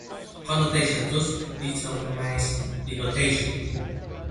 Connotation thus determines denotation.